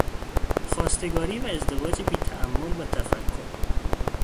خواستگاری و ازدواج بی تامل و تفکر